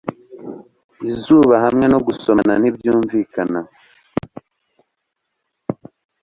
izuba hamwe no gusomana ntibyumvikana